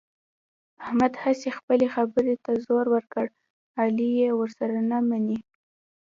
احمد هسې خپلې خبرې ته زور ور کړ، علي یې ورسره نه مني.